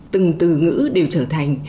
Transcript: từng từ ngữ đều trở thành